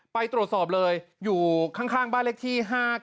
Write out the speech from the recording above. ไปตรวจสอบเลยอยู่ข้างบ้านเลขที่๕๙